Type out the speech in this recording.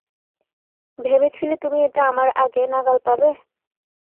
ভেবেছিলে তুমি এটা আমার আগে নাগাল পাবে?